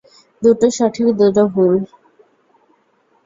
দুটো সঠিক, দুটো ভুল।